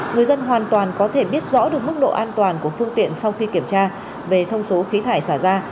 người dân hoàn toàn có thể biết rõ được mức độ an toàn của phương tiện sau khi kiểm tra về thông số khí thải xảy ra